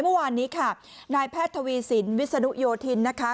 เมื่อวานนี้ค่ะนายแพทย์ทวีสินวิศนุโยธินนะคะ